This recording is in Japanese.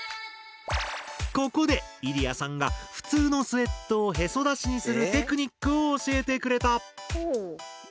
ここでイリヤさんが普通のスウェットをヘソだしにするテクニックを教えてくれた。